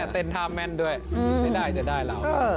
เต้นท่าแม่นด้วยไม่ได้จะได้เรา